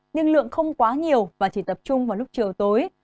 nhưng lượng không quá nhiều và chỉ tập trung vào lúc chiều tối